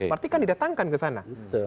berarti kan didatangkan ke sana